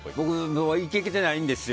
行けてないんですよ。